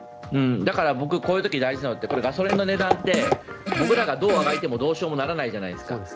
だから、僕こういう時、大事なのってガソリンの値段って僕らが、どうあがいてもどうしようもならないじゃないですか。